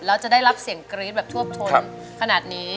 แล้วจะได้รับเสียงกรี๊ดแบบทวบทนขนาดนี้